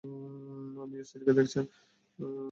আমার স্ত্রীকে দেখেছেন!